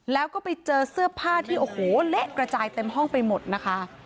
แล้วก็ไปเจอเสื้อผ้าที่โอ้โหเละกระจายเต็มห้องไปหมดนะคะ